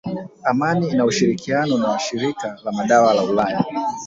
Amani ina ushirikiano na shirika la madawa la ulaya